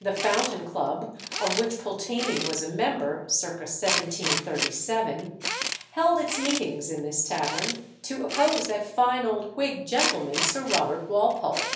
The Fountain Club, of which Pulteney was a member (circa 1737), held its meetings in this tavern, to oppose that fine old Whig gentleman Sir Robert Walpole.